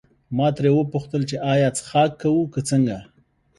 ما ترې وپوښتل چې ایا څښاک کوو که څنګه.